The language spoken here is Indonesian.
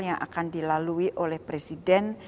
yang akan dilalui oleh presiden